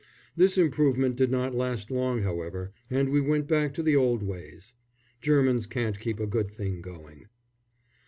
This improvement did not last long, however, and we went back to the old ways. Germans can't keep a good thing going.